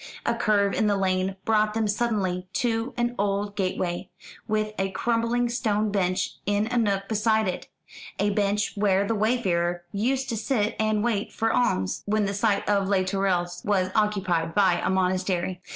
A curve in the lane brought them suddenly to an old gateway, with a crumbling stone bench in a nook beside it a bench where the wayfarer used to sit and wait for alms, when the site of Les Tourelles was occupied by a monastery.